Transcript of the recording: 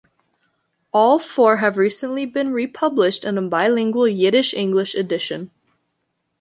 All four have recently been republished in a bilingual Yiddish-English edition.